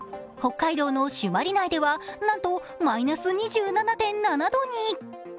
北海道の朱鞠内ではなんとマイナス２７．７度に。